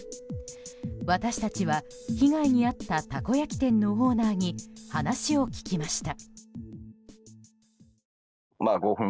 私たちは被害に遭ったたこ焼き店のオーナーに話を聞きました。